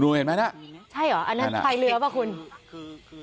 เมื่อบ้านแล้วรู้ยังไหม